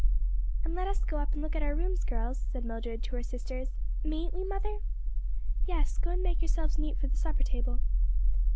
"And let us go up and look at our rooms, girls," said Mildred to her sisters. "Mayn't we, mother?" "Yes, go and make yourselves neat for the supper table."